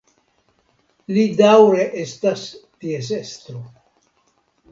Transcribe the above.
Li daŭre estas ties estro.